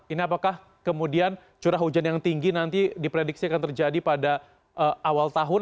ini apakah kemudian curah hujan yang tinggi nanti diprediksi akan terjadi pada awal tahun